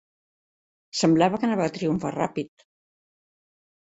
Semblava que anava a triomfar ràpid.